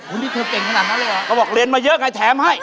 นี่เธอเก่งขนาดนั้นเลยเหรอเขาบอกเรียนมาเยอะไงแถมให้